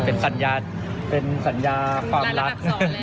เซ็นทันทีเลยใช่มั้ยครับ